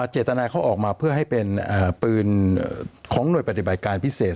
เจตนาเขาออกมาเพื่อให้เป็นปืนของหน่วยปฏิบัติการพิเศษ